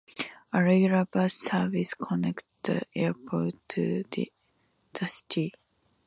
A regular bus service connects the airport to the city.